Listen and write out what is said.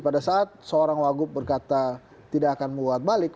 pada saat seorang wagub berkata tidak akan muat balik